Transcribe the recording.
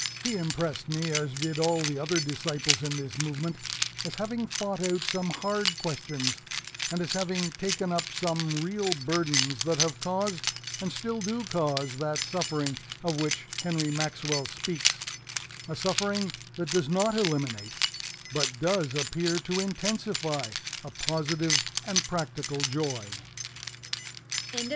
He impressed me, as did all the other disciples in this movement, as having fought out some hard questions, and as having taken up some real burdens that have caused and still do cause that suffering of which Henry Maxwell speaks, a suffering that does not eliminate, but does appear to intensify, a positive and practical joy."